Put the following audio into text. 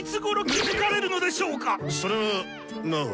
⁉それはまあ。